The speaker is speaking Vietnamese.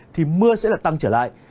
thì mưa sẽ tăng trở lại